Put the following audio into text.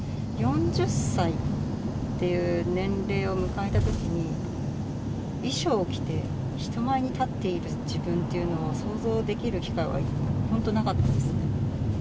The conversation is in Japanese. ４０歳っていう年齢を迎えたときに、衣装を着て、人前に立っている自分っていうのを想像できる機会は本当、なかったですね。